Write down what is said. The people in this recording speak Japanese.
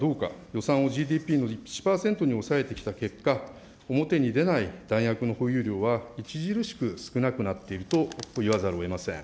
予算をＧＤＰの１％に抑えてきた結果、表に出ない弾薬の保有量は著しく少なくなっていると言わざるをえない。